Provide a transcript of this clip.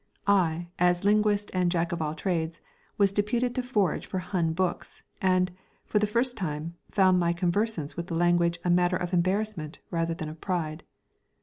I, as linguist and jack of all trades, was deputed to forage for Hun books, and, for the first time, found my conversance with the language a matter of embarrassment rather than of pride.